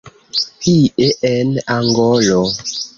Ie en Angolo.